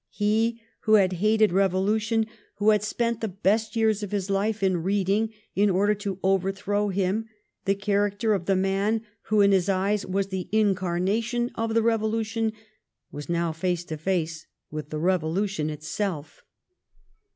He who had hated revolution, who had spent DECLINE AND FALL OF EIS SYSTEM. 189 the best years of his life in readinn , in order to overthrow him, tlie character of the man who, in his eyes, was the Incarnation of the Revolution, was now face to face with the Revolution itself.